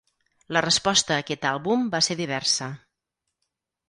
La resposta a aquest àlbum va ser diversa.